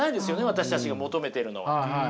私たちが求めてるのは。